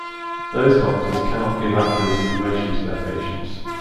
Those doctors cannot give accurate information to their patients.